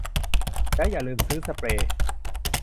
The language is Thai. แล้วอย่าลืมซื้อสเปรย์